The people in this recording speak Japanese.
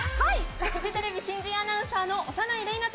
フジテレビ新人アナウンサーの小山内鈴奈と。